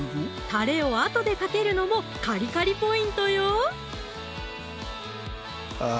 たれをあとでかけるのもカリカリポイントよー！